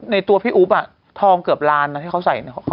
ตัวพี่อุ๊บอ่ะทองเกือบล้านนะที่เขาใส่เนี่ย